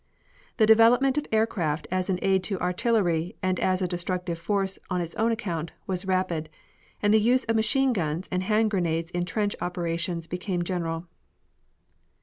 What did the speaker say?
The development of aircraft as an aid to artillery and as a destructive force on its own account, was rapid, and the use of machine guns and hand grenades in trench operations became general.